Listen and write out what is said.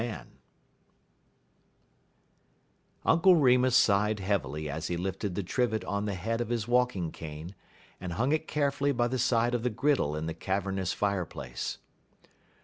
MAN Uncle Remus sighed heavily as he lifted the trivet on the head of his walking cane, and hung it carefully by the side of the griddle in the cavernous fireplace.